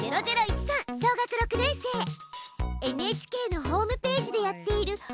ＮＨＫのホームページでやっている「Ｗｈｙ！？